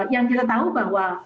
yang kita tahu bahwa